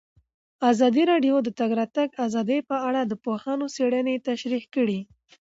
ازادي راډیو د د تګ راتګ ازادي په اړه د پوهانو څېړنې تشریح کړې.